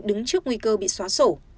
đứng trước nguy cơ bị xóa sổ